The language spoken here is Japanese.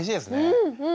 うんうん。